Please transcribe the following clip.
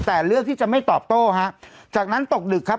แต่เลือกที่จะไม่ตอบโต้ฮะจากนั้นตกดึกครับ